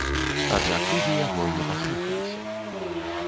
Аднак людзі яго не паслухаліся.